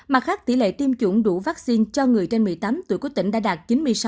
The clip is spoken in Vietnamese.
mặt khác tỷ lệ tiêm chủng đủ vắc xin cho người trên một mươi tám tuổi của tỉnh đã đạt chín mươi sáu sáu